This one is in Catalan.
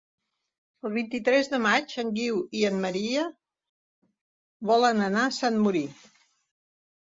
El vint-i-tres de maig en Guiu i en Maria volen anar a Sant Mori.